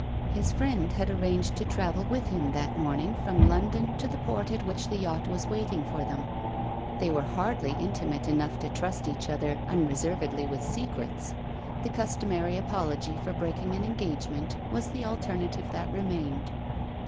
His friend had arranged to travel with him, that morning, from London to the port at which the yacht was waiting for them. They were hardly intimate enough to trust each other unreservedly with secrets. The customary apology for breaking an engagement was the alternative that remained.